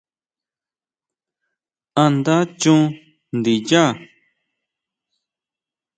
¿A nda chon ndinyá?